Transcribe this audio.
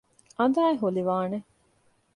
އަނދައި ހުލިވާނެ